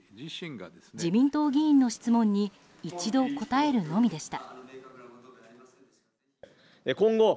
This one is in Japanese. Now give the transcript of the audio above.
自民党議員の質問に一度答えるのみでした。